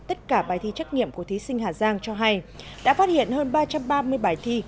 tất cả bài thi trắc nghiệm của thí sinh hà giang cho hay đã phát hiện hơn ba trăm ba mươi bài thi